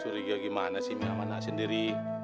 curiga gimana sih mi sama nak sendiri